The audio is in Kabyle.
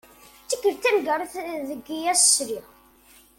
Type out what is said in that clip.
D tikelt taneggarut deg i as-sliɣ.